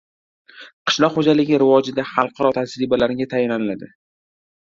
Qishloq xo‘jaligi rivojida xalqaro tajribalarga tayaniladi